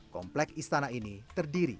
komplek istana ini terdiri